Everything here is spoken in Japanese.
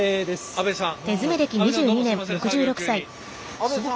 阿部さん